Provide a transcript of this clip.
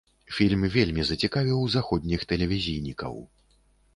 Фільм вельмі зацікавіў заходніх тэлевізійнікаў.